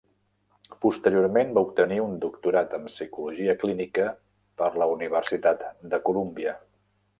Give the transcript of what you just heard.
Posteriorment va obtenir un doctorat en psicologia clínica per la Universitat de Columbia.